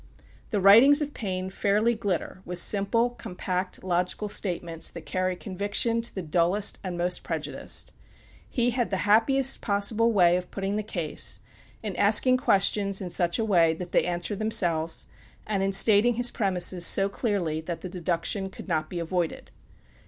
The writings of Paine fairly glitter with simple, compact, logical statements, that carry conviction to the dullest and most prejudiced. He had the happiest possible way of putting the case; in asking questions in such a way that they answer themselves, and in stating his premises so clearly that the deduction could not be avoided.